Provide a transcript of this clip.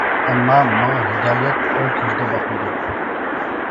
ئەمما، ماڭا ھىدايەت ئوڭ كۆزىدە باقمىدى.